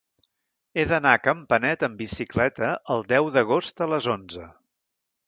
He d'anar a Campanet amb bicicleta el deu d'agost a les onze.